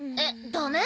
ダメ？